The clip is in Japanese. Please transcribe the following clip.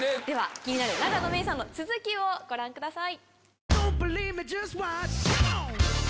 気になる永野芽郁さんの続きをご覧ください。